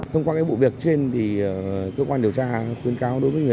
tổng tiền là một tỷ bảy trăm năm mươi đồng